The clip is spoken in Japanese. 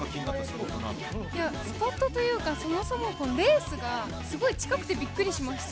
スポットというか、そもそもレースがすごい近くてびっくりしました。